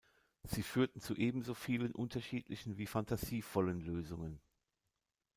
Sie führten zu ebenso vielen unterschiedlichen wie phantasievollen Lösungen.